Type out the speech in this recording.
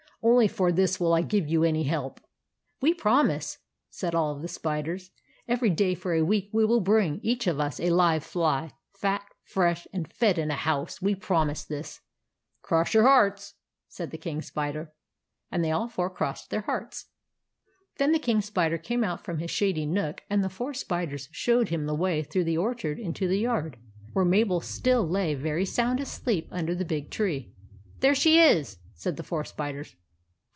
Only for this will I give you any help." "We promise," said all of the spiders. " Every day for a week will we bring, each of us, a live fly, fat, fresh, and fed in a house. We promise this." " Cross your hearts," said the King Spider. And they all four crossed their hearts. Then the King Spider came out from his shady nook ; and the four spiders showed him the way through the orchard into the yard, where Mabel still lay very sound asleep under the big tree. " There she is," said the four spiders.